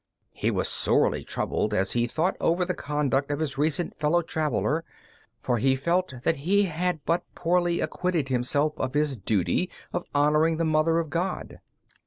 He was sorely troubled as he thought over the conduct of his recent fellow traveler, and felt that he had but poorly acquitted himself of his duty of honoring the Mother of God.